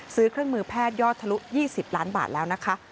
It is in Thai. ซื้อเครื่องมือแพทย์ยอดทะลุ๒๐ล้านบาทแล้วนะคะ